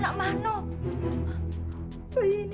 saya terpaksa cerita yang sebenarnya kebenar itu